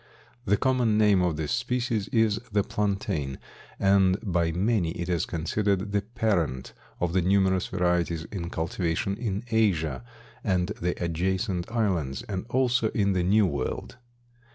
The common name of this species is the plantain and by many it is considered the parent of the numerous varieties in cultivation in Asia and the adjacent islands and also in the New World.